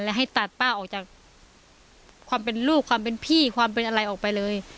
และให้ตัดป้าออกจากความเป็นลูกความเป็นพี่ความเป็นอะไรออกไปเลย